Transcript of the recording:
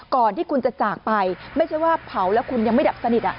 ก่อนที่คุณจะจากไปไม่ใช่ว่าเผาแล้วคุณยังไม่ดับสนิท